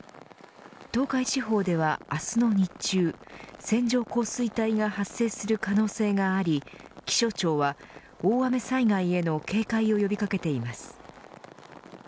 東海地方では明日の日中線状降水帯が発生する可能性があり気象庁は、大雨災害への警戒を呼び掛けています。